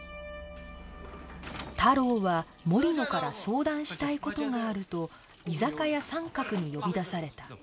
太郎は森野から相談したい事があると居酒屋サンカクに呼び出された